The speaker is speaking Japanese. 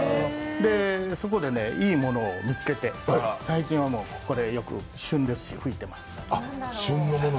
で、そこで、いいものを見つけて最近は旬で吹いてます。